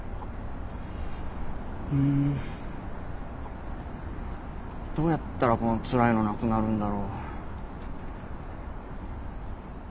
うんどうやったらこのつらいのなくなるんだろう。